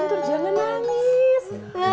tuntur jangan nangis